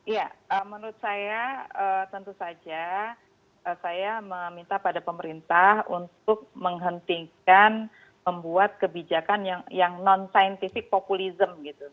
ya menurut saya tentu saja saya meminta pada pemerintah untuk menghentikan membuat kebijakan yang non scientific populism